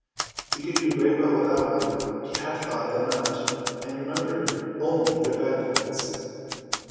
He could do very well without one. He had thought them out, and remembered only their bad points.